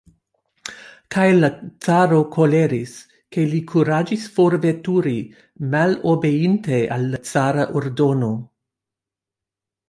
Kaj la caro koleris, ke li kuraĝis forveturi, malobeinte al la cara ordono.